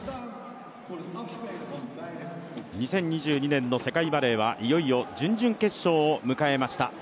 ２０２２年の世界バレーはいよいよ準々決勝を迎えました。